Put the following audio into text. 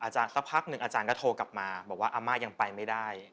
สักพักหนึ่งอาจารย์ก็โทรกลับมาบอกว่าอาม่ายังไปไม่ได้